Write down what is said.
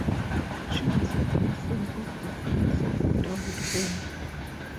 She was a great friend of the philosopher David Hume.